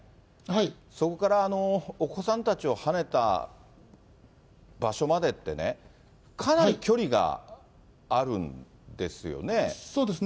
そこからお子さんたちをはねた場所までってね、かなり距離があるそうですね。